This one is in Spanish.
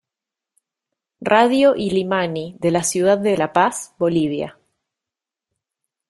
Radio Illimani de La Ciudad De La Paz, Bolivia.